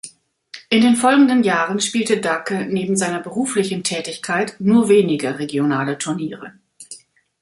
In den folgenden Jahren spielte Dake neben seiner beruflichen Tätigkeit nur wenige regionale Turniere.